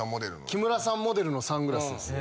木村さんモデルのサングラスです。